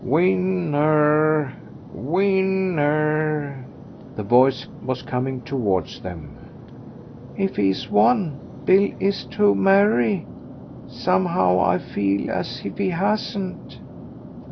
"Win ner, win ner." The voice was coming towards them. "If he has won, Bill and I is to marry.... Somehow I feel as if he hasn't."